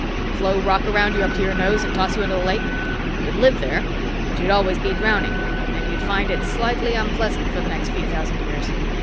"Flow rock around you up to your nose and toss you into a lake. You'd live there but you'd always be drowning and you'd find it slightly unpleasant for the next few thousand years!